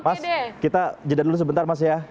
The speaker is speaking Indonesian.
mas kita jeda dulu sebentar mas ya